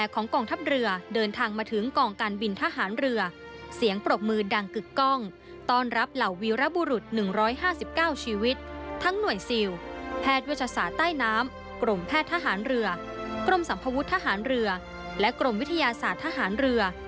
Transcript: กรมแพทย์ทหารเรือกรมสัมภวุฒิทหารเรือและกรมวิทยาศาสตร์ทหารเรือ